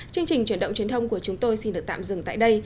chương trình chuyển động truyền thông của chúng tôi xin được tạm dừng tại đây